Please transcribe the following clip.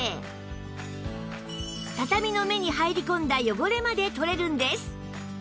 畳の目に入り込んだ汚れまで取れるんです